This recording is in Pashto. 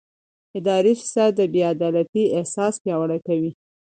اداري فساد د بې عدالتۍ احساس پیاوړی کوي